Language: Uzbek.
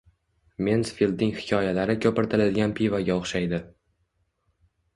Mensfildning hikoyalari ko’pirtirilgan pivoga o’xshaydi.